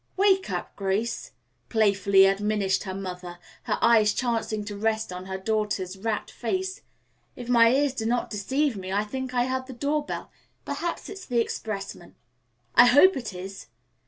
"Wake up, Grace," playfully admonished her mother, her eyes chancing to rest on her daughter's rapt face. "If my ears do not deceive me, I think I heard the doorbell. Perhaps it is the expressman." "I hope it is."